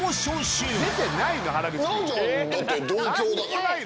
はい。